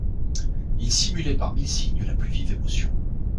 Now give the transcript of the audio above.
Il simulait par mille signes la plus vive émotion.